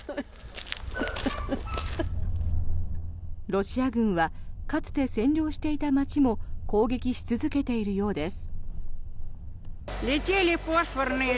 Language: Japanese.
ロシア軍はかつて占領していた街も攻撃し続けているようです。